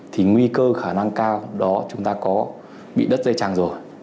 thì nguy cơ khả năng cao đó chúng ta có bị đất dây chẳng rồi